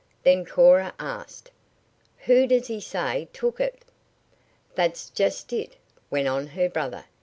Then Cora asked: "Who does he say took it?" "That's just it," went on her brother.